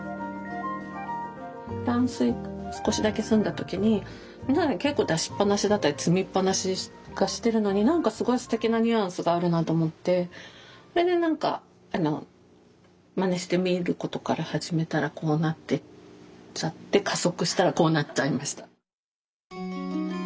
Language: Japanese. フランス少しだけ住んだ時に皆さん結構出しっぱなしだったり積みっぱなししてるのに何かすごいそれで何かまねしてみることから始めたらこうなってっちゃって加速したらこうなっちゃいました。